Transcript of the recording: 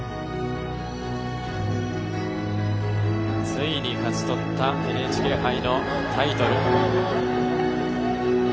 ついに勝ち取ったＮＨＫ杯のタイトル。